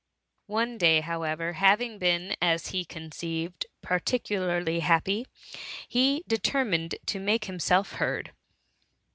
One day, however^ having been^ as he conceived, particularly happy, he determined to make himself heard.